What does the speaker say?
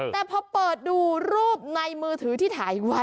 แต่พอเปิดดูรูปในมือถือที่ถ่ายไว้